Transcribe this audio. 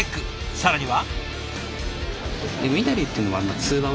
更には。